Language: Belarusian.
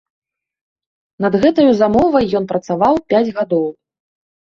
Над гэтаю замовай ён працаваў пяць гадоў.